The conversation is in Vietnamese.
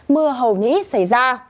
mưa hầu như ít xảy ra